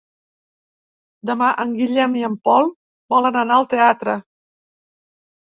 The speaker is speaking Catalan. Demà en Guillem i en Pol volen anar al teatre.